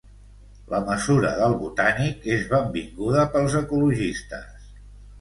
La mesura del Botànic és benvinguda pels ecologistes